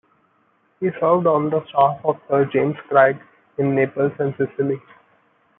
He served on the staff of Sir James Craig in Naples and Sicily.